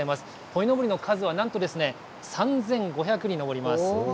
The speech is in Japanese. こいのぼりの数はなんと、３５００に上ります。